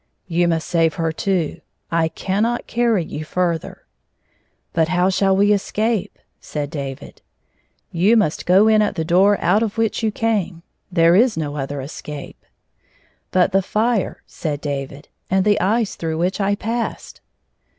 " You must save her, too. I cannot carry you further." " But how shall we escape 1 " said Davii " You must go in at the door out of which you came. There is no other escape." "But the fire," said David, "and the ice through which I passed."